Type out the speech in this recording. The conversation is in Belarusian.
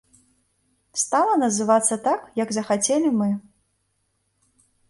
Стала называцца так, як захацелі мы.